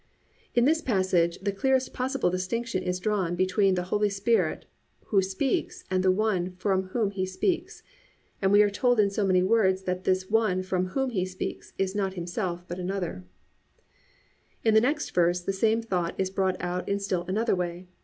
"+ In this passage the clearest possible distinction is drawn between the Holy Spirit who speaks and the One from whom He speaks, and we are told in so many words that this One from whom He speaks is not Himself, but another. 3. In the next verse the same thought is brought out in still another way.